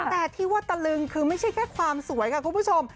แต่ที่ว่าตะลึงคือไม่ใช่แค่ความสวยค่ะคุณผู้ชม